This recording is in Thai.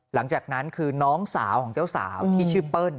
หลังจากนั้นคือน้องสาวของเจ้าสาวที่ชื่อเปิ้ล